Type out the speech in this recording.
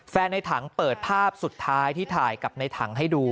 ในถังเปิดภาพสุดท้ายที่ถ่ายกับในถังให้ดู